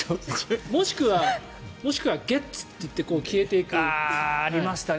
もしくはゲッツ！って言って消えていく。ありましたね。